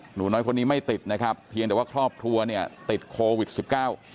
หนูน้อยคนนี้ไม่ติดนะครับเพียงแต่ว่าครอบครัวเนี่ยติดโควิดสิบเก้า